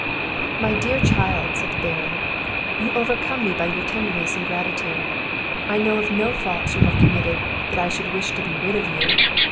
"My dear child," said the Baron, "you overcome me by your tenderness and gratitude! I know of no faults you have committed, that I should wish to be rid of you.